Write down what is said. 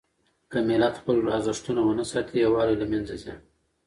که ملت خپل ارزښتونه ونه ساتي، يووالی له منځه ځي.